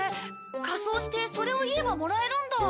仮装してそれを言えばもらえるんだ。